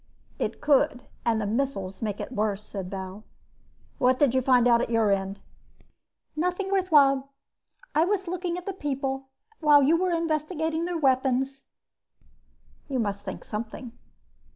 "It could, and the missiles make it worse," said Bal. "What did you find out at your end?" "Nothing worthwhile. I was looking at the people while you were investigating their weapons." "You must think something."